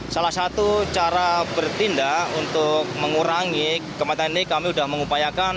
salah satu cara bertindak untuk mengurangi kemacetan ini kami sudah mengupayakan